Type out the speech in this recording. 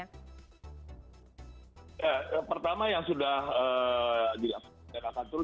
ya pertama yang sudah diangkat angkat dulu